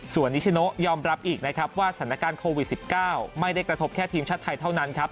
ส่วนนิชโนยอมรับอีกนะครับว่าสถานการณ์โควิด๑๙ไม่ได้กระทบแค่ทีมชาติไทยเท่านั้นครับ